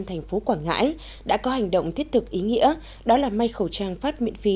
thành phố quảng ngãi đã có hành động thiết thực ý nghĩa đó là may khẩu trang phát miễn phí